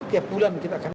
tiap bulan kita akan